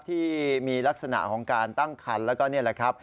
ที่มีลักษณะของการตั้งคันแล้วก็นี่แหละครับ